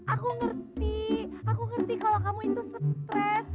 aku ngerti aku ngerti kalau kamu itu stres